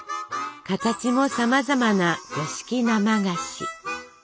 形もさまざまな五色生菓子！